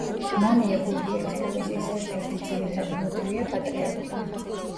მამია გურიელის პოეზიის ერთ-ერთი ძირითადი მოტივია პატრიოტიზმი.